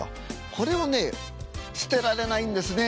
これをね捨てられないんですね。